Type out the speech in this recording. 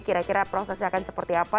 kira kira prosesnya akan seperti apa